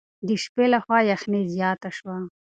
د شپې له خوا یخني زیاته شوه.